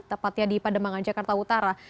tepatnya di pademangan jakarta utara